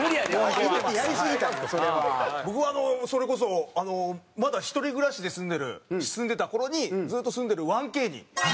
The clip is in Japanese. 僕はそれこそまだ一人暮らしで住んでる住んでた頃にずっと住んでる１Ｋに。